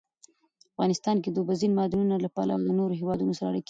افغانستان د اوبزین معدنونه له پلوه له نورو هېوادونو سره اړیکې لري.